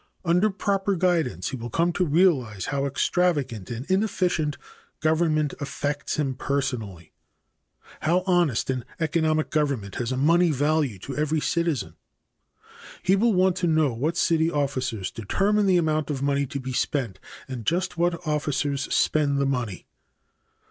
Under proper guidance he will come to realize how extravagant and inefficient government affects him personally, how honest and economic government has a money value to every citizen. He will want to know what city officers determine the amount of money to be spent, and just what officers spend the money.